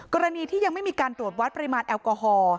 กรณีที่ยังไม่มีการตรวจวัดปริมาณแอลกอฮอล์